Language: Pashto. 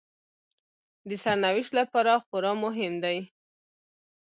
د سرنوشت لپاره خورا مهم دي